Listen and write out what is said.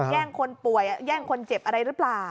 แย่งคนป่วยแย่งคนเจ็บอะไรหรือเปล่า